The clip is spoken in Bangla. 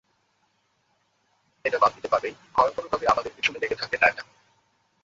এটা বাদ দিতে পারলেই, ভয়ংকরভাবে আমাদের পিছনে লেগে থাকবে না এটা।